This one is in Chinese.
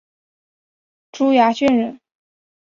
珠崖郡人。